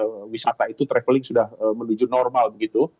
kalau wisata itu traveling sudah menuju normal begitu